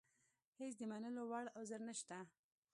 هېڅ د منلو وړ عذر نشته.